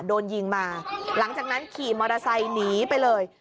โดนยิงมาหลังจากนั้นขี่มอเตอร์ไซค์หนีไปเลย